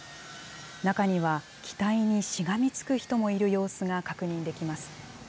中には機体にしがみつく人もいる様子が確認できます。